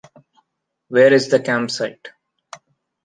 Where is the campsite?